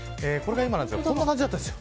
こんな感じだったんです。